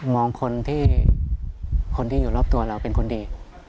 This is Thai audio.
คนที่คนที่อยู่รอบตัวเราเป็นคนดี